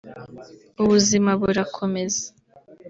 ubuzima burakomeza